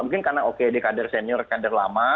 mungkin karena oke di kader senior kader lama